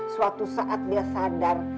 suatu saat dia sadar